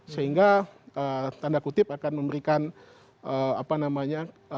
sehingga tanda kutip akan memberikan apa namanya